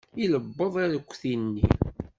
Ilebbeḍ arekti-nni.